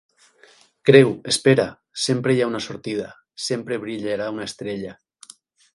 Creu! Espera! Sempre hi ha una sortida. Sempre brillarà una estrella.